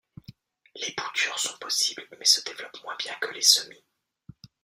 Les boutures sont possibles mais se développent moins bien que les semis.